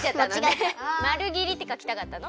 丸切りってかきたかったの？